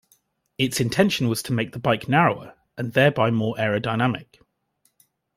Its intention was to make the bike narrower, and there by more aerodynamic.